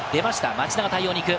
町田が対応に行く。